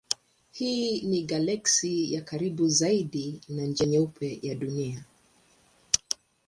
Hii ni galaksi ya karibu zaidi na Njia Nyeupe na Dunia.